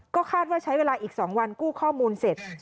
ก็คาดว่าใช้เวลาอีก๒วันกู้ข้อมูลเสร็จ